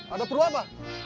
ada perlu apa